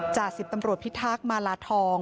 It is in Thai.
จากสิบตำรวจพิทธาคมาลาทอง